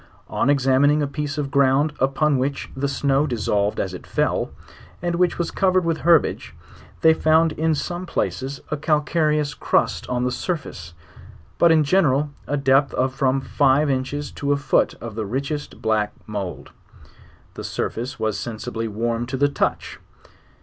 On examining a piece of ground upon which the snow dis solved as it fell, and which was covered with herbage,. they founxi in some places, a calcareous crust on the surface; but in general a depth of from five inches to a foot of the richest black mould. The surface was sensibly warm to the touch.